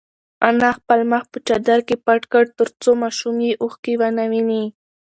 انا خپل مخ په چادر کې پټ کړ ترڅو ماشوم یې اوښکې ونه ویني.